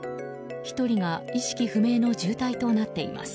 １人が意識不明の重体となっています。